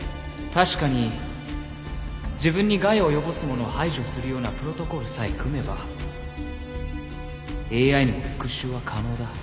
確かに自分に害を及ぼすものを排除するようなプロトコルさえ組めばＡＩにも復讐は可能だ。